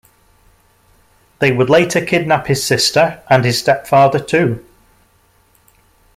They would later kidnap his sister and his stepfather too.